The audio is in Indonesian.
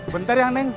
bentar ya neng